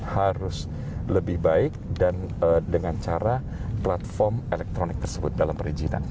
harus lebih baik dan dengan cara platform elektronik tersebut dalam perizinannya